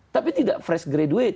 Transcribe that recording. tapi tidak fresh graduate